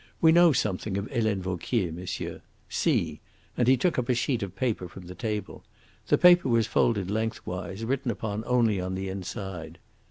We know something of Helene Vauquier, monsieur. See!" and he took up a sheet of paper from the table. The paper was folded lengthwise, written upon only on the inside.